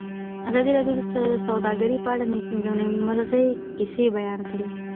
ازادي راډیو د سوداګري په اړه د نېکمرغۍ کیسې بیان کړې.